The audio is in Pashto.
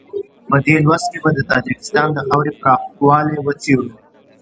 په دې لوست کې به د تاجکستان د خاورې پراخوالی وڅېړو.